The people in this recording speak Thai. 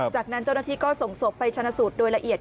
จากนั้นเจ้าหน้าที่ก็ส่งศพไปชนะสูตรโดยละเอียด